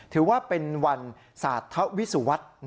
ถือว่าเป็นวันสาธวิสวต